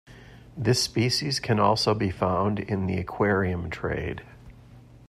This species can also be found in the aquarium trade.